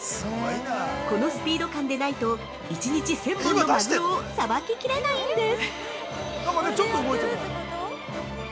このスピード感でないと１日１０００本のマグロをさばききれないんです。